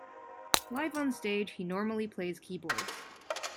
Live on stage, he normally plays keyboards.